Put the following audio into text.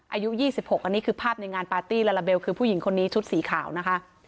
อายุ๒๖อันนี้คือภาพในงานปาร์ตี้ลาลาเบลคือผู้หญิงคนนี้ชุดสีขาวนะคะ